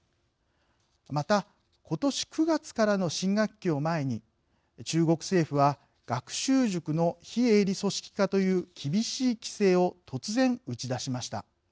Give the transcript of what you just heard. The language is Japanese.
またことし９月からの新学期を前に中国政府は学習塾の非営利組織化という厳しい規制を突然打ち出しました。